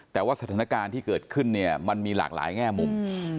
แต่ว่าสถานการณ์ที่เกิดขึ้นเนี่ยมันมีหลากหลายแง่มุม